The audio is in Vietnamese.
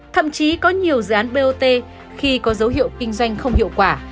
thậm chí có nhiều dự án bot khi có dấu hiệu kinh doanh không hiệu quả